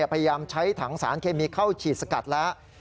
พยายามใช้ถังสารเคมีเข้าฉีดสกัดแล้ว